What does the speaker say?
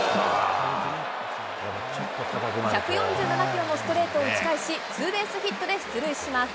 １４７キロのストレートを打ち返し、ツーベースヒットで出塁します。